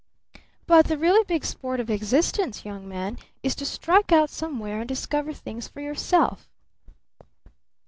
But the really big sport of existence, young man, is to strike out somewhere and discover things for yourself!"